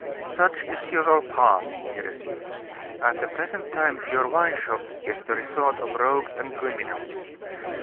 "Such is your past," he resumed. "At the present time your wine shop is the resort of rogues and criminals.